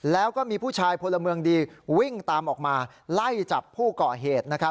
แล้วก็มีผู้ชายพลเมืองดีวิ่งตามออกมาไล่จับผู้ก่อเหตุนะครับ